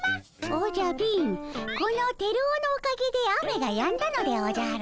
おじゃ貧このテルオのおかげで雨がやんだのでおじゃる。